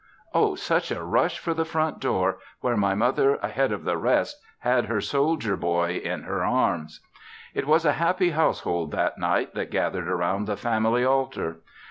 O, such a rush for the front door where my mother ahead of the rest had her soldier boy in her arms. It was a happy household that night that gathered around the family altar.